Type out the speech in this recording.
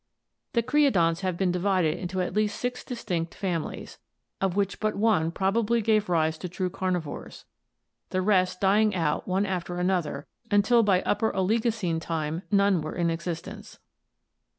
The creodonts have been divided into at least six distinct fami lies, of which but one probably gave rise to true carnivores, the rest dying out one after another until by Upper Oligocene time none were in existence.